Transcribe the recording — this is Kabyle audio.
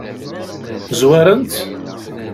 Zwaren-tt?